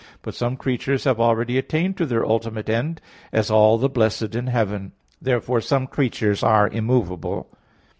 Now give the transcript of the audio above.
But some creatures have already attained to their ultimate end; as all the blessed in heaven. Therefore some creatures are immovable.